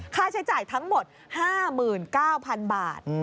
ค่าใช้จ่ายทั้งหมด๕๙๐๐๐บาท